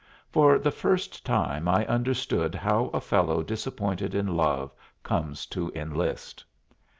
For the first time I understood how a fellow disappointed in love comes to enlist.